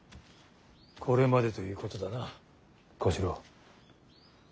これまでということだな小四郎。